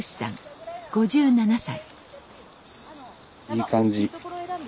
いい感じ。